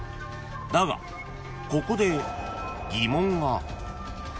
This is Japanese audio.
［だがここで疑問が］